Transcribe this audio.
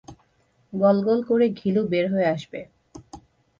গল-গল করে ঘিলু বের হয়ে আসবে।